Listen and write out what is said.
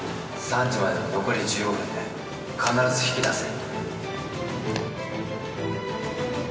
３時までの残り１５分で必ず引き出せ